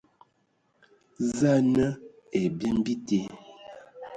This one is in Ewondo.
Za a nǝ ai byem bite,